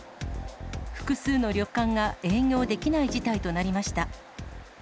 複数の旅館が営業できない事態となりました。